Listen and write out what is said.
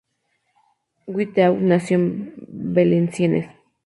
Watteau nació en Valenciennes.